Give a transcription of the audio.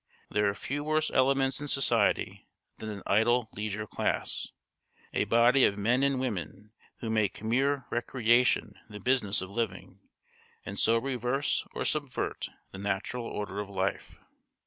There are few worse elements in society than an idle leisure class, a body of men and women who make mere recreation the business of living, and so reverse or subvert the natural order of life.